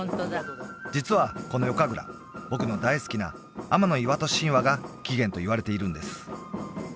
実はこの夜神楽僕の大好きな天岩戸神話が起源といわれているんです